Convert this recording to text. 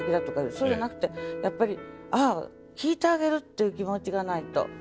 そうじゃなくてやっぱりああ聞いてあげるっていう気持ちがないと。